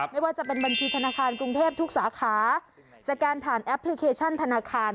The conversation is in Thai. ไม่ว่าจะเป็นบัญชีธนาคารกรุงเทพฯทุกสาขา